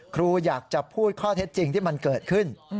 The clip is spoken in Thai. ครูอยากจะพูดข้อเท็จจริงที่มันเกิดขึ้น